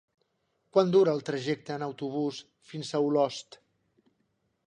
Quant dura el trajecte en autobús fins a Olost?